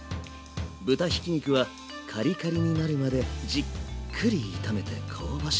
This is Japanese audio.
豚ひき肉はカリカリになるまでじっくり炒めて香ばしく。